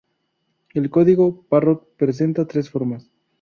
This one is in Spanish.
El código Parrot presenta tres formas.